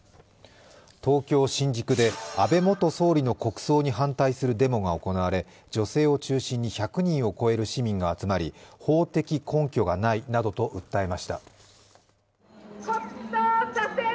東京・新宿で安倍元総理の国葬に反対するデモが行われ女性を中心に１００人を超える市民が集まり、法的根拠がないなどと訴えました。